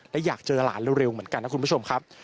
และอยากเจอหลานเร็วเหมือนกันนะคุณผู้ชมครับ